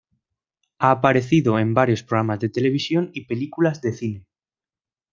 Ha aparecido en varios programas de televisión y películas de cine.